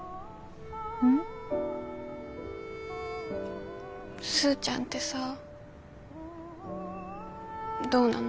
ん？スーちゃんってさどうなの？